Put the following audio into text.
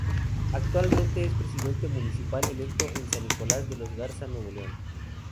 Actualmente es Presidente Municipal electo del San Nicolás de los Garza, Nuevo León.